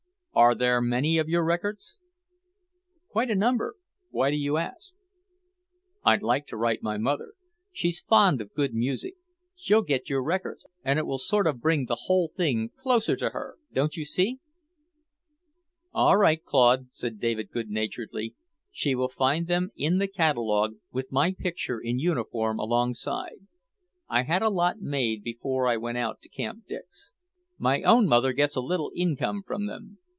"Are there many of your records?" "Quite a number. Why do you ask?" "I'd like to write my mother. She's fond of good music. She'll get your records, and it will sort of bring the whole thing closer to her, don't you see?" "All right, Claude," said David good naturedly. "She will find them in the catalogue, with my picture in uniform alongside. I had a lot made before I went out to Camp Dix. My own mother gets a little income from them.